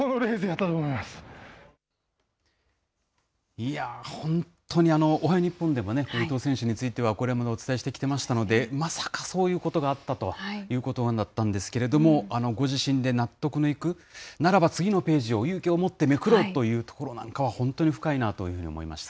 いや、本当におはよう日本でも、伊藤選手についてはこれまでもお伝えしてきてましたので、まさかそういうことがあったとは、ということだったんですけど、ご自身で納得のいく、ならば次のページを勇気を持ってめくろうというところなんかは、本当に深いなというふうに思いました。